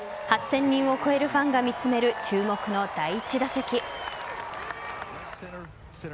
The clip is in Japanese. ８０００人を超えるファンが見つめる注目の第１打席。